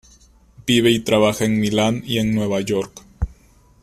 Vive y trabaja en Milán y en Nueva York